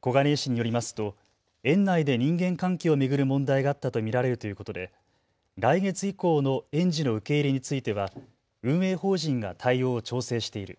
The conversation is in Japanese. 小金井市によりますと園内で人間関係を巡る問題があったと見られるということで来月以降の園児の受け入れについては運営法人が対応を調整している。